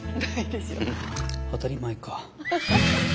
当たり前か。